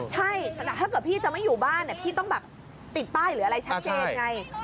ใช่แต่ถ้าเกิดพี่จะไม่อยู่บ้านพี่ต้องแบบติดป้ายหรืออะไรชัดเจนไง